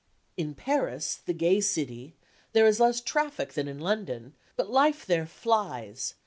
"In Paris, the gay city, there is less traffic than in London, but life there flies.